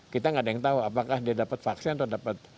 kita nggak ada yang tahu apakah dia dapat vaksin atau dapat